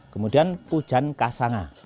kemudian pujan kasanga